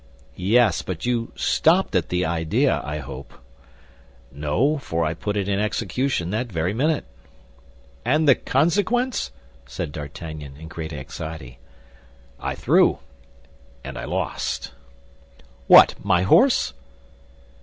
"Yes; but you stopped at the idea, I hope?" "No; for I put it in execution that very minute." "And the consequence?" said D'Artagnan, in great anxiety. "I threw, and I lost." "What, my horse?"